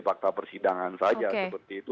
fakta persidangan saja seperti itu